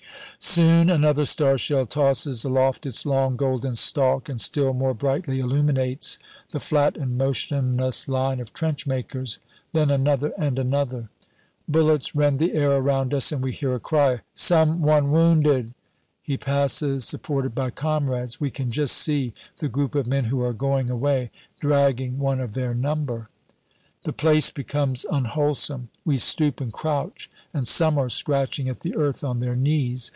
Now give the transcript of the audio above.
Soon another star shell tosses aloft its long golden stalk, and still more brightly illuminates the flat and motionless line of trenchmakers. Then another and another. Bullets rend the air around us, and we hear a cry, "Some one wounded!" He passes, supported by comrades. We can just see the group of men who are going away, dragging one of their number. The place becomes unwholesome. We stoop and crouch, and some are scratching at the earth on their knees.